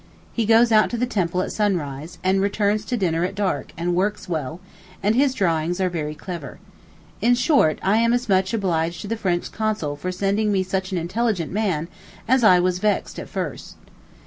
He goes out to the temple at sunrise, and returns to dinner at dark, and works well, and his drawings are very clever. In short, I am as much obliged to the French Consul for sending me such an intelligent man as I was vexed at first.